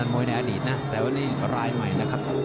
มวยในอดีตนะแต่วันนี้รายใหม่นะครับ